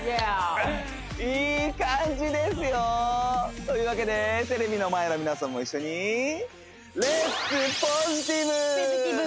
いい感じですよ！というわけでテレビの前の皆さんも一緒にポジティブ！